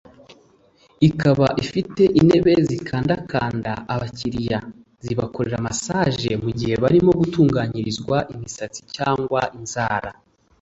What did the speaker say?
ikaba ifite intebe zikandakanda abakiriya (zibakorera massage) mu ihe barimo gutunganyirizwa imisatsi cyangwa inzara